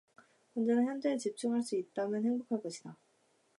언제나 현재에 집중할 수 있다면 행복할 것이다.